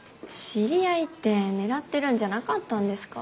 知り合いって狙ってるんじゃなかったんですか。